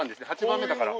８番目だから。